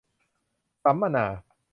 สัมมนา